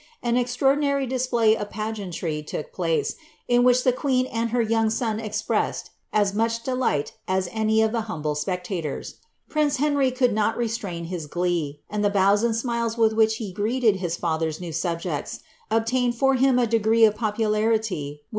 Ai cMraordinary display of pageantry took place, in which the qttwn nJ her young son expressed as much delight as any of (he humble wpetUf tors. Prince Henry couid not reatiaia his glee, and the bows and mHa wiih which he greeted his lather's new subjects, oblaioed for bin i ilejirpe of popiilariiy whici